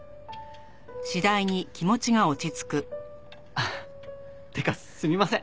あっってかすみません。